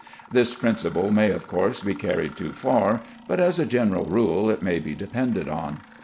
This principle may, of course, be carried too far, but as a general rule it may be depended on.